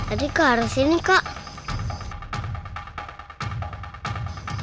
adik harus ini kak